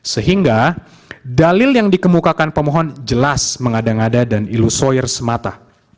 sehingga dalil yang dikemukakan pemohon jelas mengada ngada dan ilusoir semata